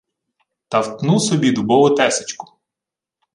Та втну собі дубову тесочку